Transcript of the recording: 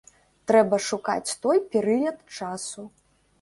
Трэба шукаць той перыяд часу.